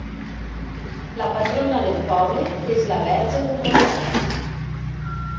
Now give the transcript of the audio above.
La patrona del poble és la verge del Rosari.